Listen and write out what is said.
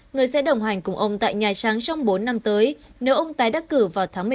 người sẽ đồng hành cùng ông tại nhà trắng trong bốn năm tới nếu ông tái đắc cử vào tháng một mươi một